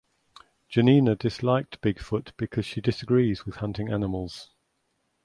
Janina disliked Big Foot because she disagrees with hunting animals.